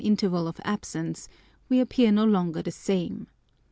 interval of absence, we appear no longer the same.